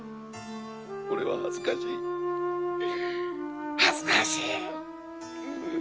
俺は恥ずかしい恥ずかしい！